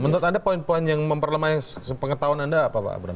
menurut anda poin poin yang memperlemah yang sepengetahuan anda apa pak abraham